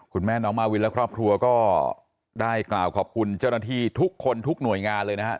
คุณแม่น้องมาวินและครอบครัวก็ได้กล่าวขอบคุณเจ้าหน้าที่ทุกคนทุกหน่วยงานเลยนะครับ